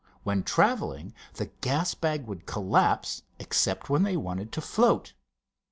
When traveling the gas bag would collapse, except when they wanted to float.